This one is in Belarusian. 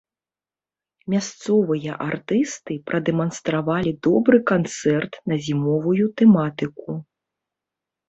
Мясцовыя артысты прадэманстравалі добры канцэрт на зімовую тэматыку.